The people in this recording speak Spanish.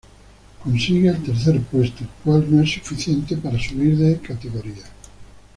Consigue el tercer puesto, el cual no es suficiente para subir de categoría.